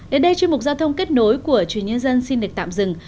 đến đây chuyên mục giao thông kết nối của chương trình nhân dân xin được tạm dừng